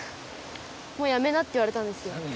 もうやめなって言われたんですよ。